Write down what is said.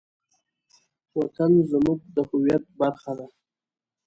وطن زموږ د هویت برخه ده.